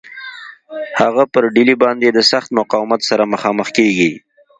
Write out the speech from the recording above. هغه پر ډهلي باندي د سخت مقاومت سره مخامخ کیږي.